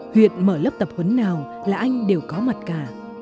huyện mở lớp tập huấn nào là anh đều có mặt cả